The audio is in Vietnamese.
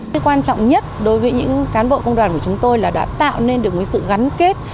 cái quan trọng nhất đối với những cán bộ công đoàn của chúng tôi là đã tạo nên được sự gắn kết